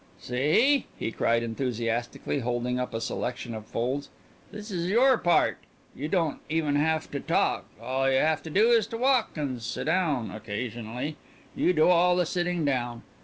"See!" he cried enthusiastically, holding up a selection of folds. "This is your part. You don't even have to talk. All you have to do is to walk and sit down occasionally. You do all the sitting down.